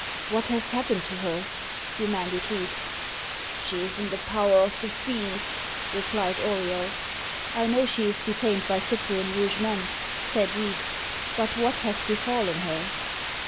"What has happened to her?" demanded Reeks. "She is in the power of the Fiend," replied Auriol. "I know she is detained by Cyprian Rougemont," said Reeks. "But what has befallen her?"